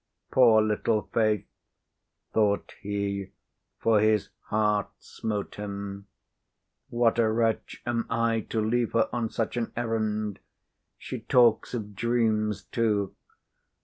"Poor little Faith!" thought he, for his heart smote him. "What a wretch am I to leave her on such an errand! She talks of dreams, too.